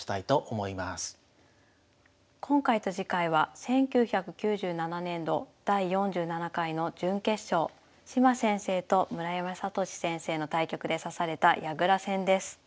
今回と次回は１９９７年度第４７回の準決勝島先生と村山聖先生の対局で指された矢倉戦です。